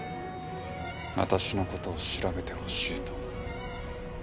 私の事を調べてほしいと。